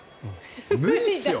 無理ですよ。